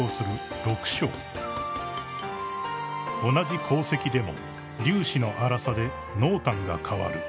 ［同じ鉱石でも粒子の粗さで濃淡が変わる］